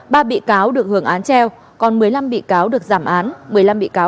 ba bị cáo được hưởng án treo còn một mươi năm bị cáo được giảm án một mươi năm bị cáo còn lại bị tuyên ý án